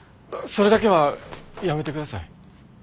それだけはやめてください。